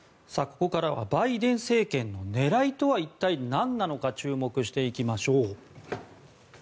ここからはバイデン政権の狙いとは一体、なんなのか注目していきましょう。